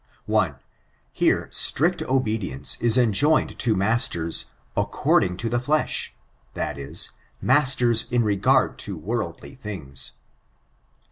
1. Here, strict obedience is enjoined to masters, *" according to the flesh*' — that is, mastera in regard to worldly thbgs.